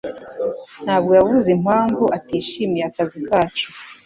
ntabwo yavuze impamvu atishimiye akazi kacu.